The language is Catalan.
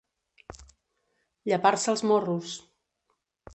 Llepar-se els morros.